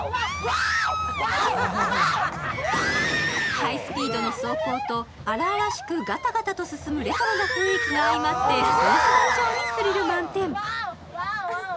ハイスピードの走行と荒々しくガタガタと進むレトロな雰囲気があいまって想像以上にスリル満点。